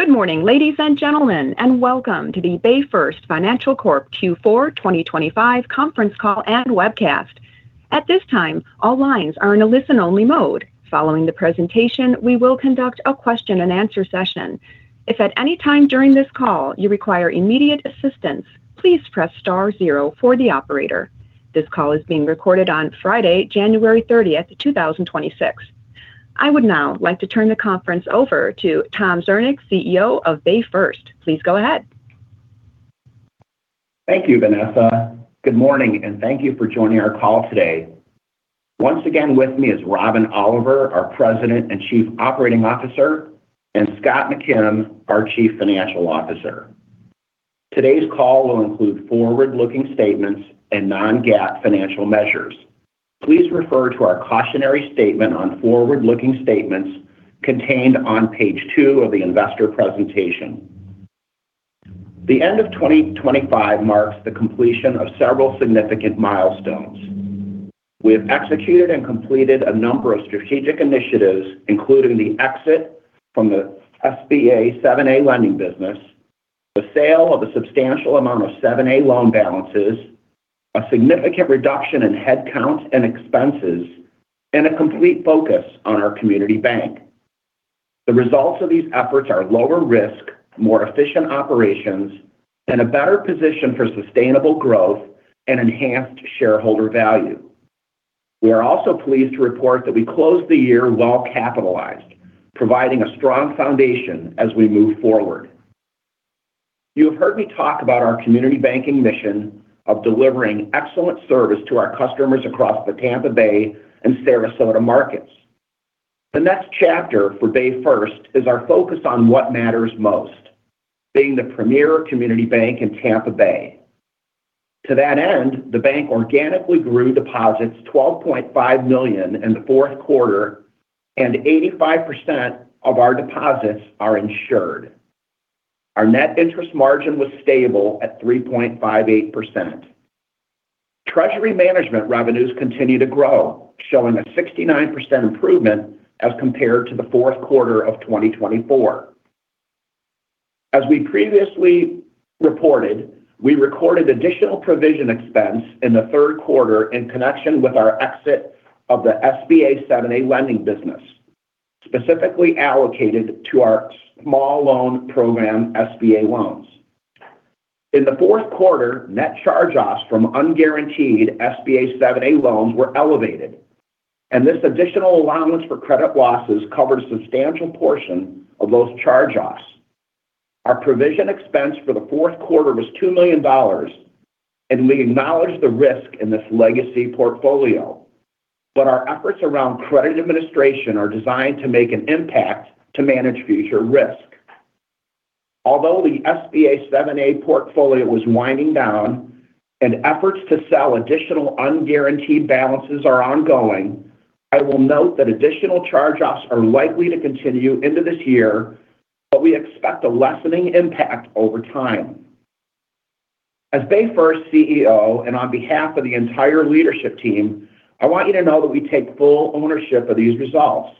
Good morning, ladies and gentlemen, and welcome to the BayFirst Financial Corp Q4 2025 conference call and webcast. At this time, all lines are in a listen-only mode. Following the presentation, we will conduct a question and answer session. If at any time during this call you require immediate assistance, please press star zero for the operator. This call is being recorded on Friday, January 30, 2026. I would now like to turn the conference over to Tom Zernick, CEO of BayFirst. Please go ahead. Thank you, Vanessa. Good morning, and thank you for joining our call today. Once again, with me is Robin Oliver, our President and Chief Operating Officer, and Scott McKim, our Chief Financial Officer. Today's call will include forward-looking statements and non-GAAP financial measures. Please refer to our cautionary statement on forward-looking statements contained on page 2 of the investor presentation. The end of 2025 marks the completion of several significant milestones. We have executed and completed a number of strategic initiatives, including the exit from the SBA 7(a) lending business, the sale of a substantial amount of 7(a) loan balances, a significant reduction in headcount and expenses, and a complete focus on our community bank. The results of these efforts are lower risk, more efficient operations, and a better position for sustainable growth and enhanced shareholder value. We are also pleased to report that we closed the year well-capitalized, providing a strong foundation as we move forward. You have heard me talk about our community banking mission of delivering excellent service to our customers across the Tampa Bay and Sarasota markets. The next chapter for BayFirst is our focus on what matters most, being the premier community bank in Tampa Bay. To that end, the bank organically grew deposits $12.5 million in the fourth quarter, and 85% of our deposits are insured. Our net interest margin was stable at 3.58%. Treasury Management revenues continue to grow, showing a 69% improvement as compared to the fourth quarter of 2024. As we previously reported, we recorded additional provision expense in the third quarter in connection with our exit of the SBA 7(a) lending business, specifically allocated to our small loan program, SBA loans. In the fourth quarter, net charge-offs from unguaranteed SBA 7(a) loans were elevated, and this additional allowance for credit losses covered a substantial portion of those charge-offs. Our provision expense for the fourth quarter was $2 million, and we acknowledge the risk in this legacy portfolio. But our efforts around credit administration are designed to make an impact to manage future risk. Although the SBA 7(a) portfolio is winding down and efforts to sell additional unguaranteed balances are ongoing, I will note that additional charge-offs are likely to continue into this year, but we expect a lessening impact over time. As BayFirst CEO and on behalf of the entire leadership team, I want you to know that we take full ownership of these results.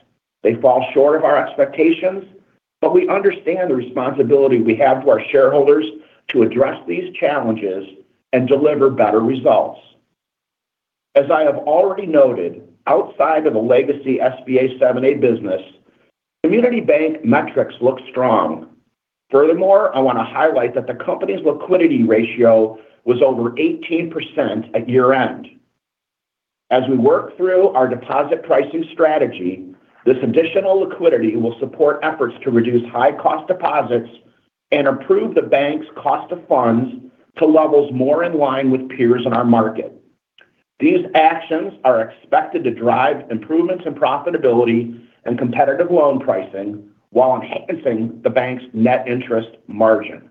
They fall short of our expectations, but we understand the responsibility we have to our shareholders to address these challenges and deliver better results. As I have already noted, outside of the legacy SBA 7(a) business, community bank metrics look strong. Furthermore, I want to highlight that the company's liquidity ratio was over 18% at year-end. As we work through our deposit pricing strategy, this additional liquidity will support efforts to reduce high-cost deposits and improve the bank's cost of funds to levels more in line with peers in our market. These actions are expected to drive improvements in profitability and competitive loan pricing while enhancing the bank's net interest margin.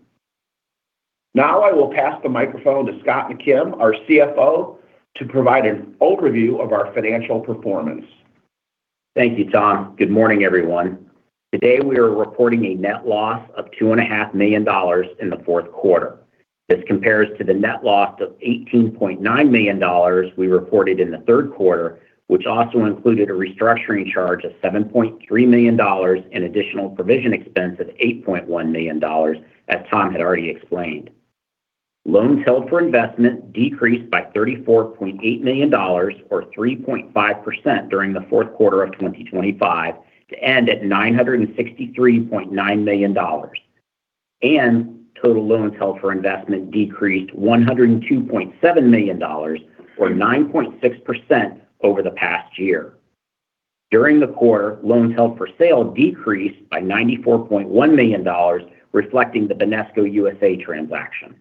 Now, I will pass the microphone to Scott McKim, our CFO, to provide an overview of our financial performance. Thank you, Tom. Good morning, everyone. Today, we are reporting a net loss of $2.5 million in the fourth quarter. This compares to the net loss of $18.9 million we reported in the third quarter, which also included a restructuring charge of $7.3 million and additional provision expense of $8.1 million, as Tom had already explained. Loans held for investment decreased by $34.8 million, or 3.5%, during the fourth quarter of 2025, to end at $963.9 million. Total loans held for investment decreased $102.7 million, or 9.6%, over the past year. During the quarter, loans held for sale decreased by $94.1 million, reflecting the Banesco USA transaction.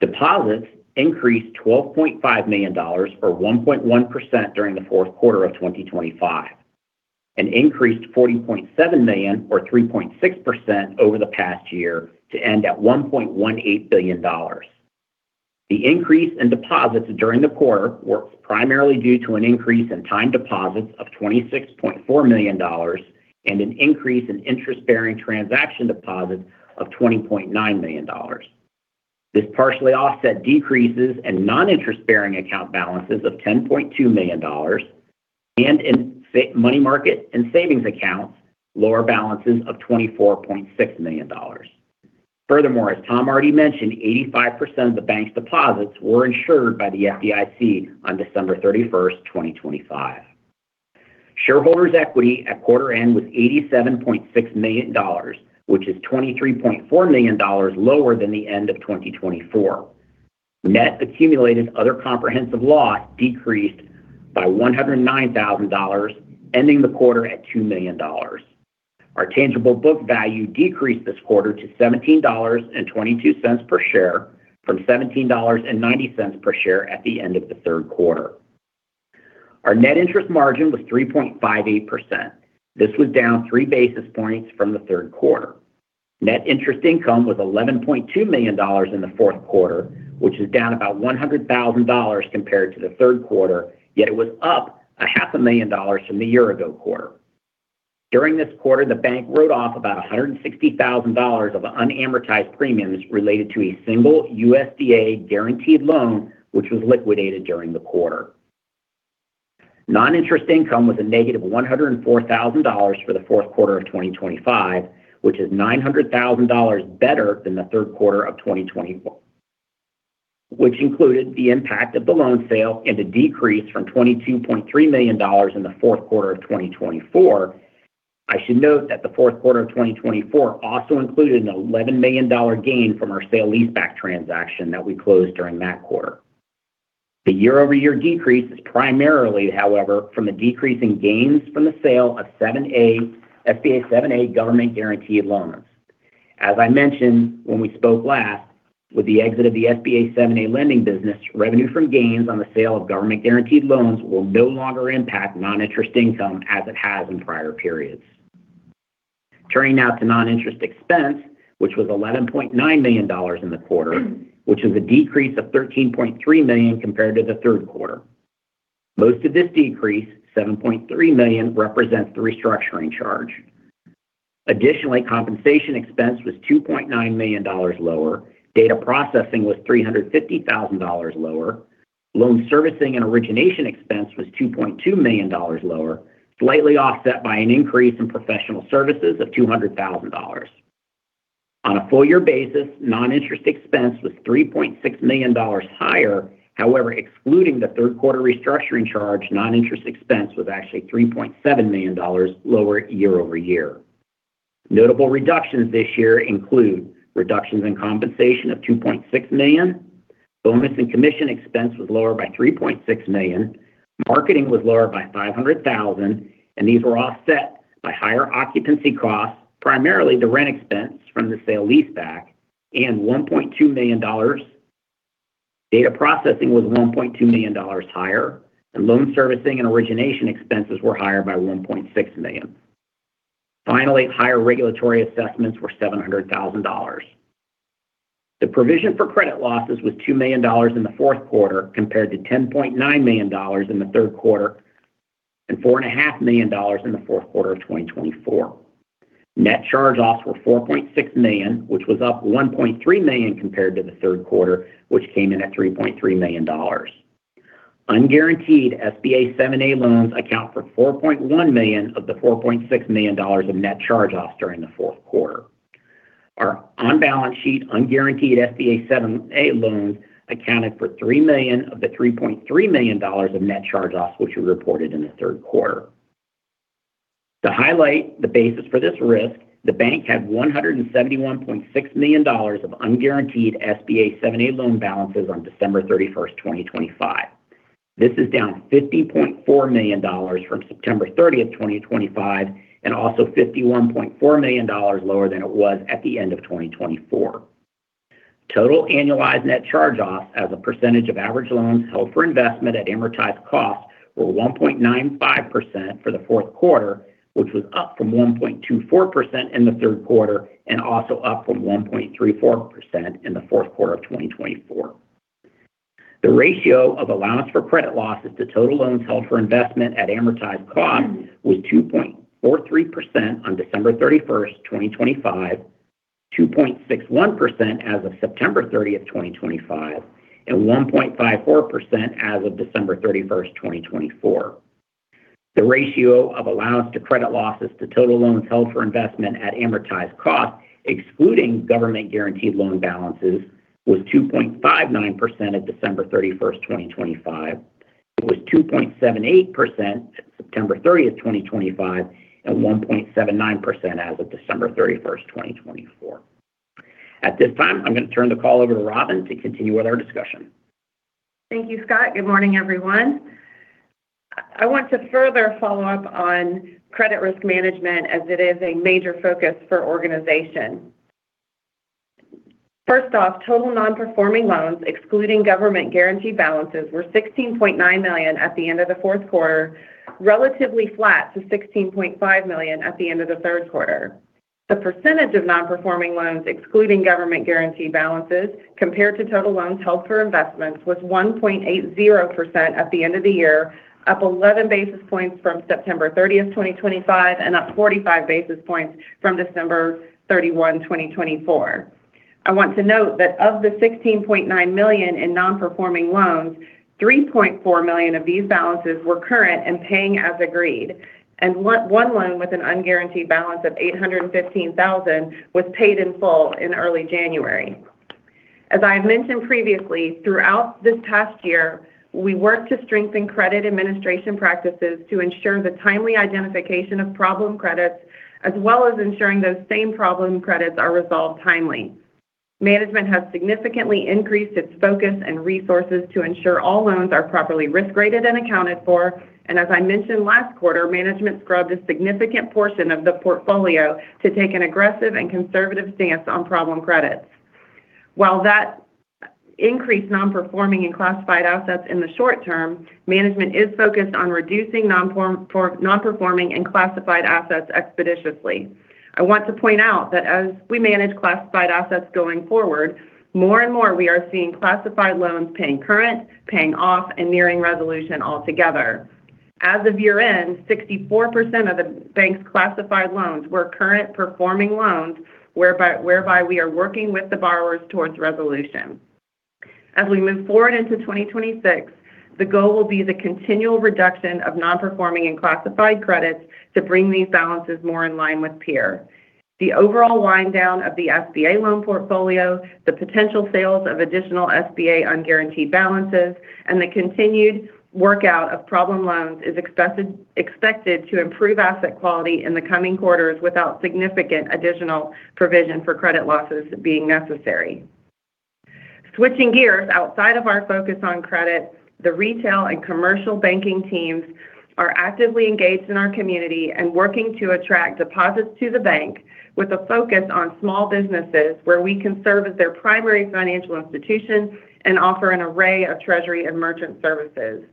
Deposits increased $12.5 million, or 1.1%, during the fourth quarter of 2025, and increased $40.7 million or 3.6% over the past year to end at $1.18 billion. The increase in deposits during the quarter were primarily due to an increase in time deposits of $26.4 million and an increase in interest-bearing transaction deposits of $20.9 million. This partially offset decreases in non-interest-bearing account balances of $10.2 million and in savings and money market accounts, lower balances of $24.6 million. Furthermore, as Tom already mentioned, 85% of the bank's deposits were insured by the FDIC on December 31, 2025. Shareholders' equity at quarter end was $87.6 million, which is $23.4 million lower than the end of 2024. Net accumulated other comprehensive loss decreased by $109,000, ending the quarter at $2 million. Our tangible book value decreased this quarter to $17.22 per share, from $17.90 per share at the end of the third quarter. Our net interest margin was 3.58%. This was down 3 basis points from the third quarter. Net interest income was $11.2 million in the fourth quarter, which is down about $100,000 compared to the third quarter, yet it was up $500,000 from the year ago quarter. During this quarter, the bank wrote off about $160,000 of unamortized premiums related to a single USDA-guaranteed loan, which was liquidated during the quarter. Non-interest income was a negative $104,000 for the fourth quarter of 2025, which is $900,000 better than the third quarter of 2024, which included the impact of the loan sale and a decrease from $22.3 million in the fourth quarter of 2024. I should note that the fourth quarter of 2024 also included an $11 million gain from our sale leaseback transaction that we closed during that quarter. The year-over-year decrease is primarily, however, from a decrease in gains from the sale of 7(a)--SBA 7(a) government-guaranteed loans. As I mentioned when we spoke last, with the exit of the SBA 7(a) lending business, revenue from gains on the sale of government-guaranteed loans will no longer impact non-interest income as it has in prior periods. Turning now to non-interest expense, which was $11.9 million in the quarter, which is a decrease of $13.3 million compared to the third quarter. Most of this decrease, $7.3 million, represents the restructuring charge. Additionally, compensation expense was $2.9 million lower. Data processing was $350,000 lower. Loan servicing and origination expense was $2.2 million lower, slightly offset by an increase in professional services of $200,000. On a full year basis, non-interest expense was $3.6 million higher. However, excluding the third quarter restructuring charge, non-interest expense was actually $3.7 million lower year-over-year. Notable reductions this year include reductions in compensation of $2.6 million, bonus and commission expense was lower by $3.6 million, marketing was lower by $500,000, and these were offset by higher occupancy costs, primarily the rent expense from the sale-leaseback and $1.2 million. Data processing was $1.2 million higher, and loan servicing and origination expenses were higher by $1.6 million. Finally, higher regulatory assessments were $700,000. The provision for credit losses was $2 million in the fourth quarter, compared to $10.9 million in the third quarter and $4.5 million in the fourth quarter of 2024. Net charge-offs were $4.6 million, which was up $1.3 million compared to the third quarter, which came in at $3.3 million. Unguaranteed SBA 7(a) loans account for $4.1 million of the $4.6 million of net charge-offs during the fourth quarter. Our on-balance sheet, unguaranteed SBA 7(a) loans accounted for $3 million of the $3.3 million of net charge-offs, which were reported in the third quarter. To highlight the basis for this risk, the bank had $171.6 million of unguaranteed SBA 7(a) loan balances on December 31, 2025. This is down $50.4 million from September 30, 2025, and also $51.4 million lower than it was at the end of 2024. Total annualized net charge-offs as a percentage of average loans held for investment at amortized cost were 1.95% for the fourth quarter, which was up from 1.24% in the third quarter and also up from 1.34% in the fourth quarter of 2024. The ratio of allowance for credit losses to total loans held for investment at amortized cost was 2.43% on December 31, 2025, 2.61% as of September 30, 2025, and 1.54% as of December 31, 2024. The ratio of allowance to credit losses to total loans held for investment at amortized cost, excluding government-guaranteed loan balances, was 2.59% at December 31, 2025. It was 2.78% at September 30th, 2025, and 1.79% as of December 31st, 2024. At this time, I'm going to turn the call over to Robin to continue with our discussion. Thank you, Scott. Good morning, everyone. I want to further follow up on credit risk management as it is a major focus for organization. First off, total non-performing loans, excluding government-guaranteed balances, were $16.9 million at the end of the fourth quarter, relatively flat to $16.5 million at the end of the third quarter. The percentage of non-performing loans, excluding government-guaranteed balances, compared to total loans held for investment, was 1.80% at the end of the year, up 11 basis points from September 30, 2025, and up 45 basis points from December 31, 2024.... I want to note that of the $16.9 million in non-performing loans, $3.4 million of these balances were current and paying as agreed, and one loan with an unguaranteed balance of $815,000 was paid in full in early January. As I mentioned previously, throughout this past year, we worked to strengthen credit administration practices to ensure the timely identification of problem credits, as well as ensuring those same problem credits are resolved timely. Management has significantly increased its focus and resources to ensure all loans are properly risk-graded and accounted for, and as I mentioned last quarter, management scrubbed a significant portion of the portfolio to take an aggressive and conservative stance on problem credits. While that increased nonperforming and classified assets in the short term, management is focused on reducing nonperforming and classified assets expeditiously. I want to point out that as we manage classified assets going forward, more and more we are seeing classified loans paying current, paying off, and nearing resolution altogether. As of year-end, 64% of the bank's classified loans were current performing loans, whereby we are working with the borrowers towards resolution. As we move forward into 2026, the goal will be the continual reduction of nonperforming and classified credits to bring these balances more in line with peer. The overall wind down of the SBA loan portfolio, the potential sales of additional SBA unguaranteed balances, and the continued workout of problem loans is expected to improve asset quality in the coming quarters without significant additional provision for credit losses being necessary. Switching gears, outside of our focus on credit, the retail and commercial banking teams are actively engaged in our community and working to attract deposits to the bank, with a focus on small businesses where we can serve as their primary financial institution and offer an array of treasury and merchant services.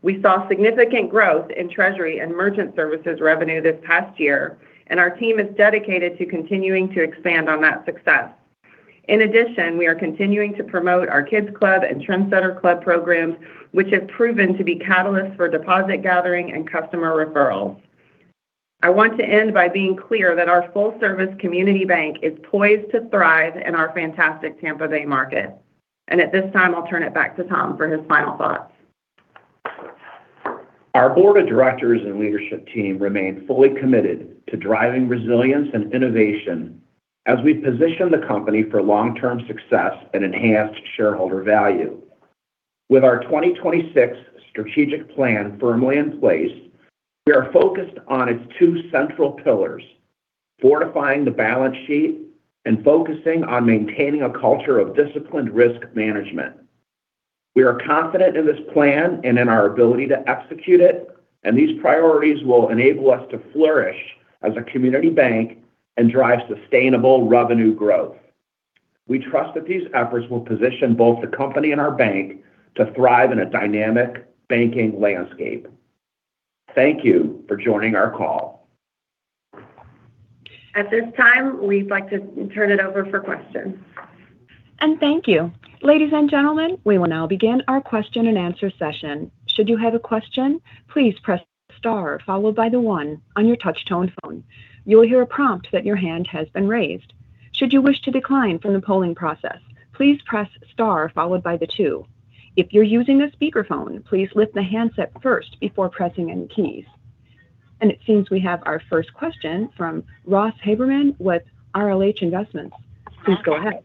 We saw significant growth in treasury and merchant services revenue this past year, and our team is dedicated to continuing to expand on that success. In addition, we are continuing to promote our Kids Club and TrendSetters Club programs, which have proven to be catalysts for deposit gathering and customer referrals. I want to end by being clear that our full-service community bank is poised to thrive in our fantastic Tampa Bay market. At this time, I'll turn it back to Tom for his final thoughts. Our board of directors and leadership team remain fully committed to driving resilience and innovation as we position the company for long-term success and enhanced shareholder value. With our 2026 strategic plan firmly in place, we are focused on its two central pillars: fortifying the balance sheet and focusing on maintaining a culture of disciplined risk management. We are confident in this plan and in our ability to execute it, and these priorities will enable us to flourish as a community bank and drive sustainable revenue growth. We trust that these efforts will position both the company and our bank to thrive in a dynamic banking landscape. Thank you for joining our call. At this time, we'd like to turn it over for questions. And thank you. Ladies and gentlemen, we will now begin our question and answer session. Should you have a question, please press star followed by the one on your touch-tone phone. You will hear a prompt that your hand has been raised. Should you wish to decline from the polling process, please press star followed by the two. If you're using a speakerphone, please lift the handset first before pressing any keys. And it seems we have our first question from Ross Haberman with RLH Investments. Please go ahead.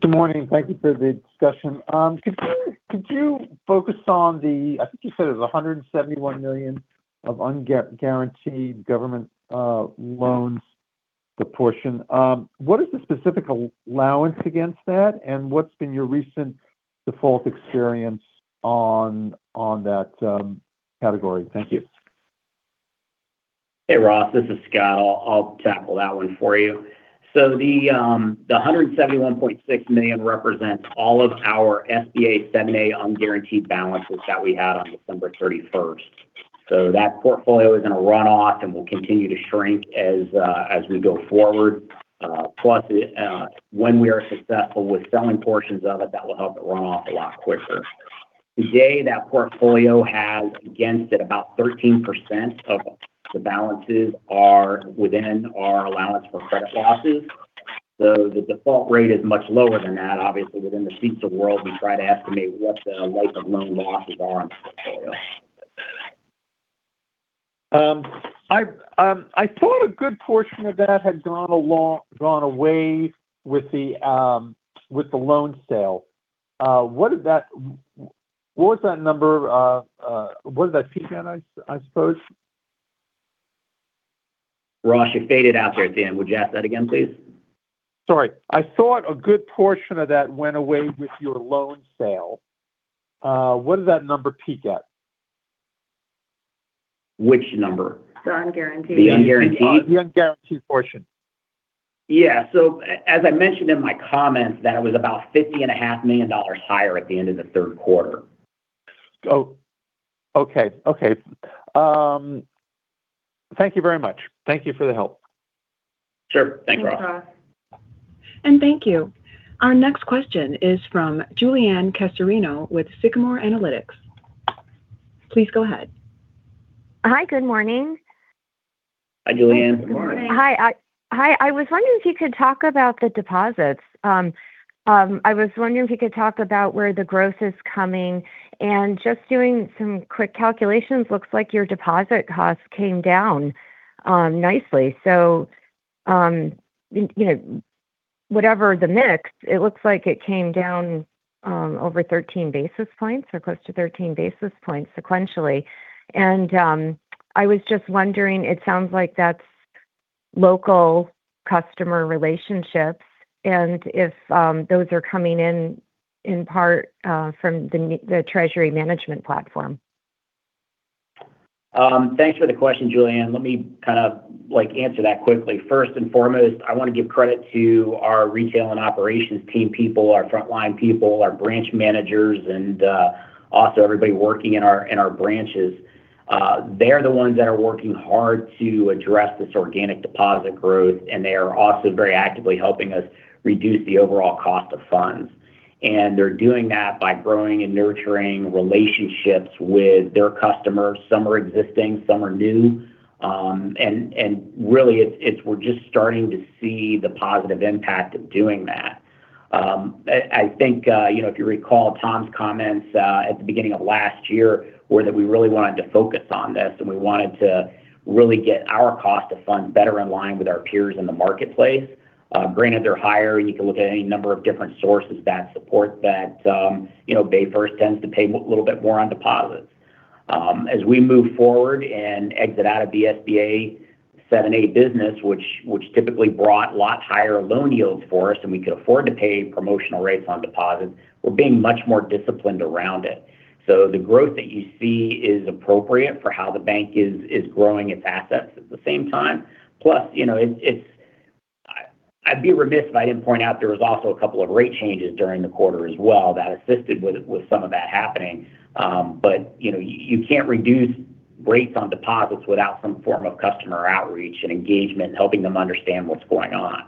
Good morning, thank you for the discussion. Could you, could you focus on the—I think you said it was $171 million of un-guaranteed government loans proportion. What is the specific allowance against that, and what's been your recent default experience on, on that category? Thank you. Hey, Ross, this is Scott. I'll, I'll tackle that one for you. So the $171.6 million represents all of our SBA 7(a) unguaranteed balances that we had on December 31. So that portfolio is going to run off and will continue to shrink as we go forward. Plus, when we are successful with selling portions of it, that will help it run off a lot quicker. Today, that portfolio has against it, about 13% of the balances are within our allowance for credit losses, so the default rate is much lower than that. Obviously, within the CECL world, we try to estimate what the life of loan losses are in the portfolio. I thought a good portion of that had gone away with the loan sale. What was that number? What did that peak at, I suppose? Ross, you faded out there at the end. Would you ask that again, please? Sorry. I thought a good portion of that went away with your loan sale. What did that number peak at? Which number? The unguaranteed. The unguaranteed? The unguaranteed portion. Yeah. So as I mentioned in my comments, that was about $50.5 million higher at the end of the third quarter. Oh, okay. Okay, thank you very much. Thank you for the help. Sure. Thanks, Ross. Thanks, Ross. And thank you. Our next question is from Julienne Cassarino with Sycamore Analytics.... Please go ahead. Hi, good morning. Hi, Julienne. Good morning. Hi, hi, I was wondering if you could talk about the deposits. I was wondering if you could talk about where the growth is coming. And just doing some quick calculations, looks like your deposit costs came down nicely. So, you know, whatever the mix, it looks like it came down over 13 basis points or close to 13 basis points sequentially. And I was just wondering, it sounds like that's local customer relationships, and if those are coming in, in part, from the Treasury Management platform. Thanks for the question, Julianne. Let me kind of, like, answer that quickly. First and foremost, I want to give credit to our retail and operations team people, our frontline people, our branch managers, and also everybody working in our branches. They're the ones that are working hard to address this organic deposit growth, and they are also very actively helping us reduce the overall cost of funds. They're doing that by growing and nurturing relationships with their customers. Some are existing, some are new. Really, we're just starting to see the positive impact of doing that. I think, you know, if you recall, Tom's comments at the beginning of last year were that we really wanted to focus on this, and we wanted to really get our cost of funds better in line with our peers in the marketplace. Granted, they're higher, and you can look at any number of different sources that support that. You know, BayFirst tends to pay a little bit more on deposits. As we move forward and exit out of the SBA 7(a) business, which typically brought lots higher loan yields for us, and we could afford to pay promotional rates on deposits, we're being much more disciplined around it. So the growth that you see is appropriate for how the bank is growing its assets at the same time. Plus, you know, it's... I'd be remiss if I didn't point out there was also a couple of rate changes during the quarter as well that assisted with some of that happening. But, you know, you can't reduce rates on deposits without some form of customer outreach and engagement, helping them understand what's going on.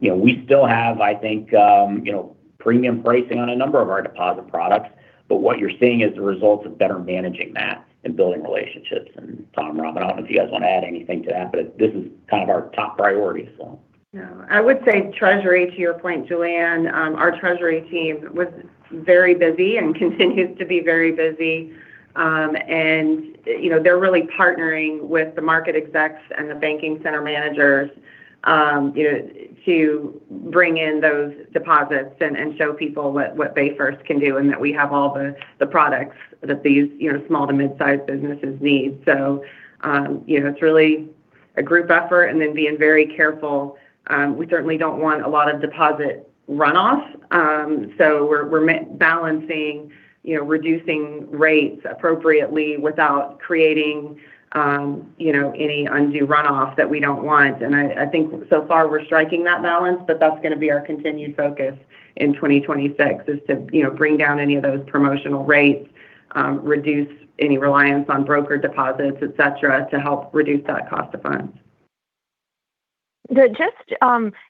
You know, we still have, I think, you know, premium pricing on a number of our deposit products, but what you're seeing is the results of better managing that and building relationships. And Tom Zernick, if you guys want to add anything to that, but this is kind of our top priority, so. No. I would say Treasury, to your point, Julianne, our treasury team was very busy and continues to be very busy. You know, they're really partnering with the market execs and the banking center managers, you know, to bring in those deposits and show people what BayFirst can do, and that we have all the products that these, you know, small to mid-sized businesses need. So, you know, it's really a group effort and then being very careful. We certainly don't want a lot of deposit runoff, so we're balancing, you know, reducing rates appropriately without creating, you know, any undue runoff that we don't want. And I think so far, we're striking that balance, but that's going to be our continued focus in 2026, is to, you know, bring down any of those promotional rates, reduce any reliance on broker deposits, et cetera, to help reduce that cost of funds. But just,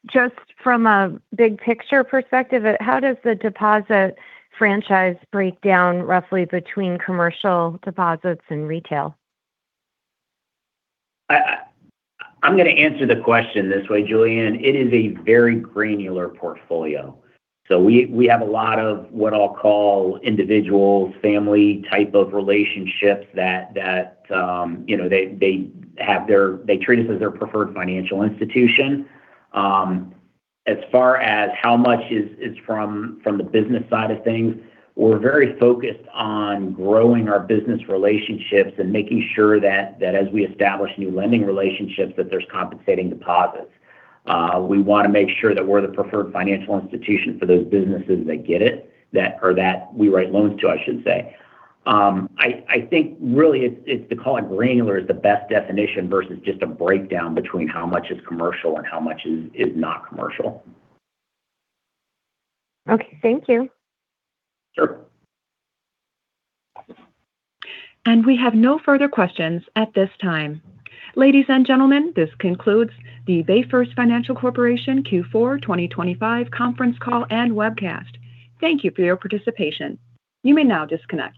just from a big picture perspective, how does the deposit franchise break down roughly between commercial deposits and retail? I'm gonna answer the question this way, Julianne. It is a very granular portfolio. So we have a lot of what I'll call individual family type of relationships that you know, they have their-- they treat us as their preferred financial institution. As far as how much is from the business side of things, we're very focused on growing our business relationships and making sure that as we establish new lending relationships, that there's compensating deposits. We want to make sure that we're the preferred financial institution for those businesses that get it, that or that we write loans to, I should say. I think really it's to call it granular is the best definition versus just a breakdown between how much is commercial and how much is not commercial. Okay. Thank you. Sure. We have no further questions at this time. Ladies and gentlemen, this concludes the BayFirst Financial Corporation Q4 2025 conference call and webcast. Thank you for your participation. You may now disconnect.